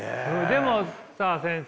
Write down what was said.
でもさ先生。